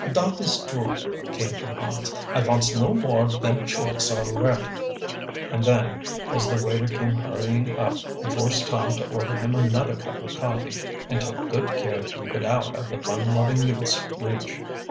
"Dot is drue," came from Hans. "I vonts no more of them chokes alretty." And then, as the waiter came hurrying up, he forced Tom to order him another cup of coffee, and took good care to keep it out of the fun loving youth's reach.